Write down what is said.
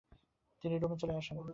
তিনি রোমে চলে আসেন।